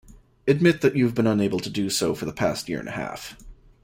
Admit that you have been unable to do so for the past year-and-a-half.